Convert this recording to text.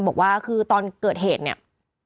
บอกว่าคือตอนเกิดเหตุเนี่ย